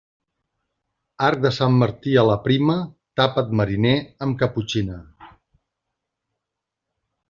Arc de Sant Martí a la prima, tapa't, mariner, amb caputxina.